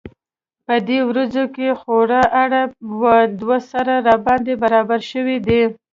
په دې ورځو کې خورا اره و دوسره راباندې برابره شوې ده.